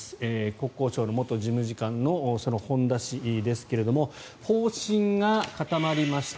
国交省の元事務次官の本田氏ですが方針が固まりました。